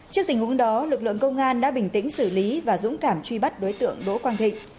trước tình huống đó lực lượng công an đã bình tĩnh xử lý và dũng cảm truy bắt đối tượng đỗ quang thịnh